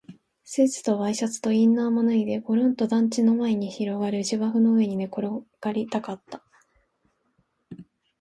スーツとワイシャツとインナーも脱いで、ごろんと団地の前に広がる芝生の上に寝転がりたかった